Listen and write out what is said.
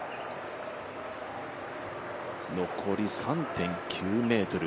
残り３．９ｍ。